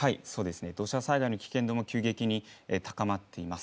土砂災害の危険度も急激に高まっています。